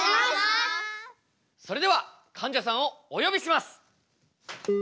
それではかんじゃさんをお呼びします。